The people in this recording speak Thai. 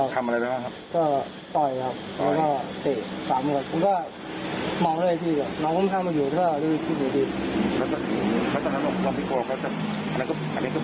ก็ต่อยครับแล้วก็เตะถาขึ้นกันแล้วกัน